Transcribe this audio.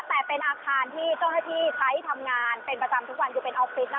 แต่เป็นอาคารที่เจ้าหน้าที่ใช้ทำงานเป็นประจำทุกวันคือเป็นออฟฟิศ